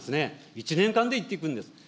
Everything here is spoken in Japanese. １年間でいっていくんです。